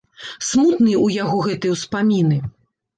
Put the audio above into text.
Смутныя ў яго гэтыя ўспаміны.